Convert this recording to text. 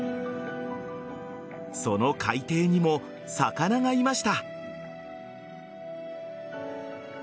その海底にも魚がいました。